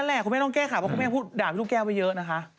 คุณแม่คุณแม่ต้องแก้ข่าวว่าคุณแม่ด่าพี่ลูกแก้วไปเยอะนะคะ